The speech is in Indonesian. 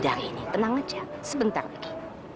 dah ini tenang aja sebentar lagi